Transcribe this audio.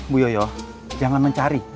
bu yoyo jangan mencari